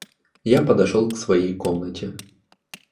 Я подошел к своей комнате.